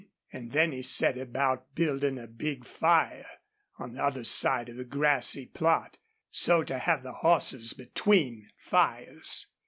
And then he set about building a big fire on the other side of the grassy plot, so to have the horses between fires.